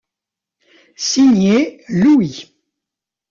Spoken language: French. Signé Louis.